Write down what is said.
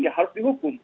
ya harus dihukum